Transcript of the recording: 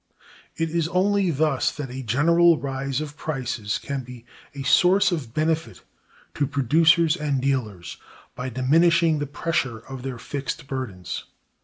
It is only thus that a general rise of prices can be a source of benefit to producers and dealers, by diminishing the pressure of their fixed burdens.